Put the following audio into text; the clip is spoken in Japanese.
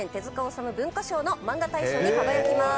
治虫文化賞のマンガ大賞に輝きます。